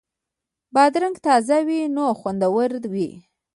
بادرنګ تازه وي نو خوندور وي.